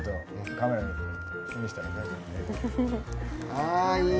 ああいい。